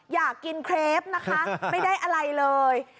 อยากกินเครปนะคะไม่ได้อะไรเลย